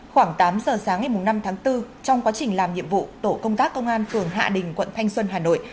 khoảng tám giờ sáng ngày năm tháng bốn trong quá trình làm nhiệm vụ tổ công tác công an phường hạ đình quận thanh xuân hà nội